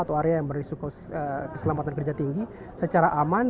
atau area yang berisiko keselamatan kerja tinggi secara aman